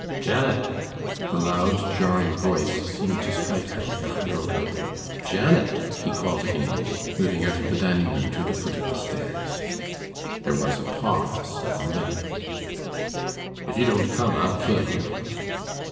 'Janet!' The loud jarring voice seemed to strike her like a hurled weapon. 'Janet!' he called again, moving out of the dining room to the foot of the stairs. There was a pause of a minute. 'If you don't come, I'll kill you.